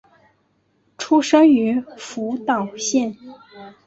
出身于福岛县。